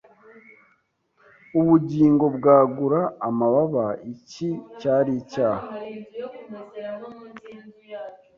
Ubugingo bwagura amababa iki cyari icyaha